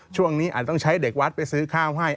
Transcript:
ช่วงนี้อาจต้องใช้เด็กวัดไปซื้อข้าวให้